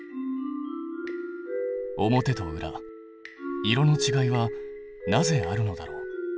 表と裏色のちがいはなぜあるのだろう？